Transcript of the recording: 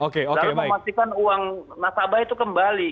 dalam memastikan uang nasabah itu kembali